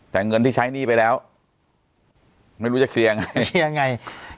แต่เงินที่ใช้หนี้ไปแล้วไม่รู้จะเคลียร์ยังไงยังไง